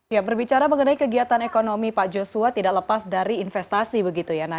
ya berbicara mengenai kegiatan ekonomi pak joshua tidak lepas dari investasi begitu ya